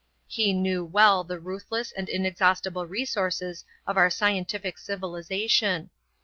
He knew well the ruthless and inexhaustible resources of our scientific civilization.